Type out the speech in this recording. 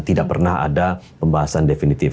tidak pernah ada pembahasan definitif